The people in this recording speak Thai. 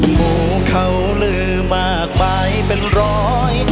หมูเขาลือมากมายเป็นร้อย